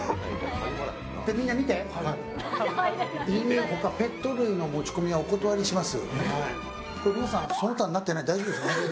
みんな見て、犬、他ペット類の持ち込みはお断りします。